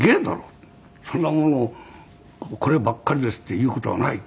「そんなものを“こればっかりです”って言う事はない」